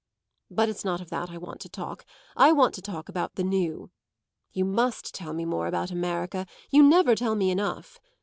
But it's not of that I want to talk; I want to talk about the new. You must tell me more about America; you never tell me enough.